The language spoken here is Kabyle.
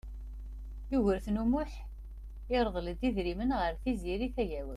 Yugurten U Muḥ irḍel-d idrimen ɣer Tiziri Tagawawt.